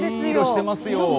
いい色してますよ。